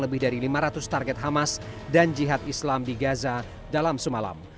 lebih dari lima ratus target hamas dan jihad islam di gaza dalam semalam